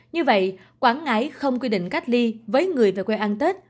như vậy quảng ngãi không quy định cách ly với người về quê ăn tết